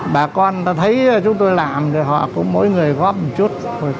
bà con ta thấy chúng tôi làm thì họ cũng mỗi người góp một chút